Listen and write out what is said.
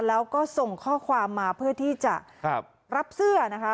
แล้วก็ส่งข้อความมาเพื่อที่จะรับเสื้อนะคะ